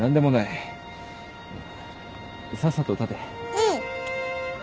うん。